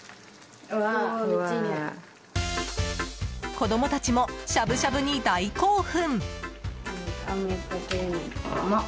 子供たちもしゃぶしゃぶに大興奮。